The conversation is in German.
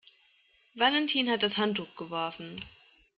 Valentin hat das Handtuch geworfen.